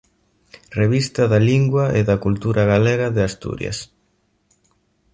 Revista da lingua e da cultura galega de Asturias".